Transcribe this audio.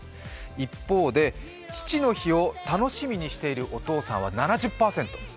一方で父の日を楽しみにしているお父さんは７０％。